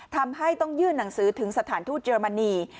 ทำให้ต้องยื่นหนังสือถึงสถานทูตเยอรมนี